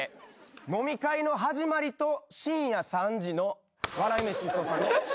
飲み会の始まりと深夜３時の笑い飯哲夫さんの違い。